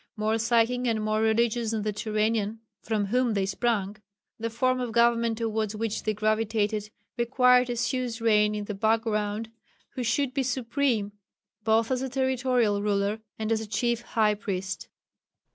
More psychic and more religious than the Turanians from whom they sprang, the form of government towards which they gravitated required a suzerain in the background who should be supreme both as a territorial ruler and as a chief high priest.